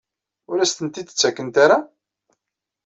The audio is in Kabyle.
Ur as-tent-id-ttakent ara?